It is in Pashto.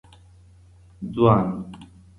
ځوان